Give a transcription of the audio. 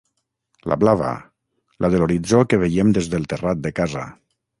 La blava, la de l'horitzó que veiem des del terrat de casa.